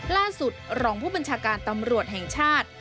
รองผู้บัญชาการตำรวจแห่งชาติ